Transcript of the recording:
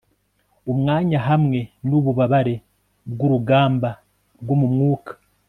Umwanya hamwe nububabare bwurugamba rwo mu mwuka